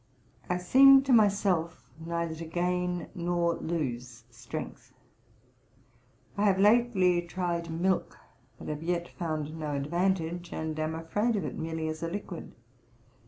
I seem to myself neither to gain nor lose strength. I have lately tried milk, but have yet found no advantage, and am afraid of it merely as a liquid.